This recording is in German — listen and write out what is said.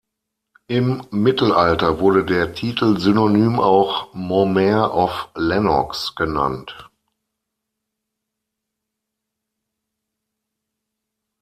Im Mittelalter wurde der Titel synonym auch Mormaer of Lennox genannt.